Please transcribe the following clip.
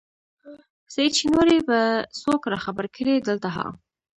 سعید شېنواری به څوک راخبر کړي دلته ها؟